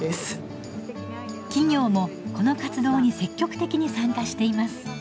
企業もこの活動に積極的に参加しています。